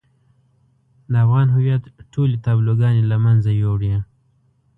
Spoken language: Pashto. د افغان هويت ټولې تابلوګانې له منځه يوړې.